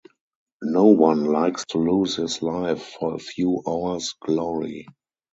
No one likes to lose his life for a few hours' glory.